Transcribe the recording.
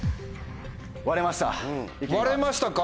割れましたか？